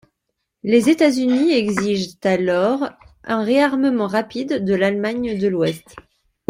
Les États-Unis exigent alors un réarmement rapide de l'Allemagne de l'Ouest.